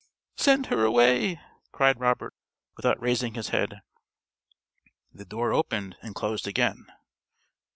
_) "Send her away," cried Robert, without raising his head. The door opened, and closed again.